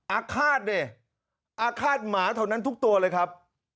อาฆาตดิอาฆาตหมาเท่านั้นทุกตัวเลยครับ